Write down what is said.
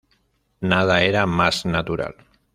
Nada era mas natural.